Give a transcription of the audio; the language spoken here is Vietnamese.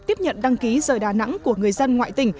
tiếp nhận đăng ký rời đà nẵng của người dân ngoại tỉnh